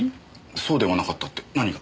そうではなかったって何が？